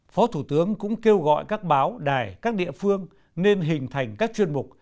phó thủ tướng cũng kêu gọi các báo đài các địa phương nên hình thành các chuyên mục